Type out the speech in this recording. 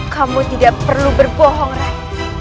kamu tidak perlu berbohong rey